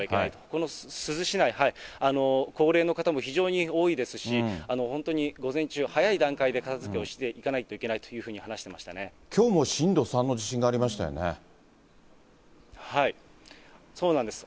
この珠洲市内、高齢の方も非常に多いですし、本当に午前中、早い段階で片づけをしていかなければいけないというふうに話してきょうも震度３の地震がありはい、そうなんです。